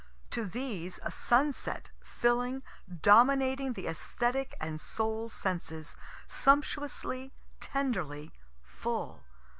To these a sunset, filling, dominating the esthetic and soul senses, sumptuously, tenderly, full.